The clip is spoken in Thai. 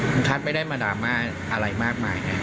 ลุงทัศน์ไม่ได้มาดราม่าอะไรมากมายนะครับ